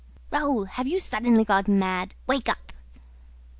"Raoul, have you suddenly gone mad? Wake up!"